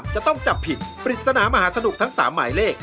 จะต้องจับผิดปริศนามหาสนุกทั้ง๓หมายเลข